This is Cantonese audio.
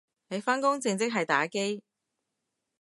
你返工正職係打機？